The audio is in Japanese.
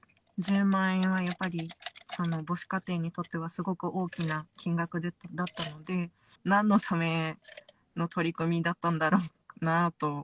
１０万円はやっぱり、母子家庭にとってはすごく大きな金額だったので、なんのための取り組みだったんだろうなと。